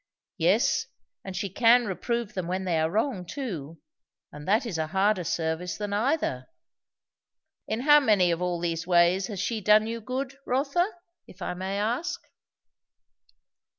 Yes, and she can reprove them when they are wrong, too; and that is a harder service than either." "In how many of all these ways has she done you good, Rotha? if I may ask."